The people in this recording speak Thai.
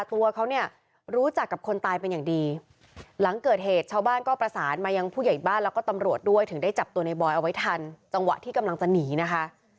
ถึงได้จับตัวในบอยเอาไว้ทันจังหวะที่กำลังจะหนีนะคะ